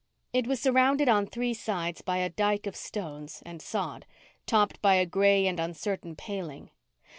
It was surrounded on three sides by a dyke of stones and sod, topped by a gray and uncertain paling.